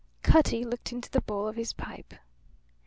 Cutty looked into the bowl of his pipe.